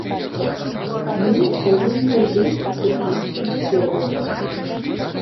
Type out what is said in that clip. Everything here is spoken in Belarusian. Мы павінны быць тэхнічна гатовыя.